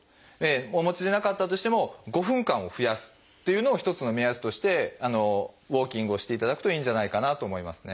お持ちでなかったとしても５分間を増やすというのを１つの目安としてウォーキングをしていただくといいんじゃないかなと思いますね。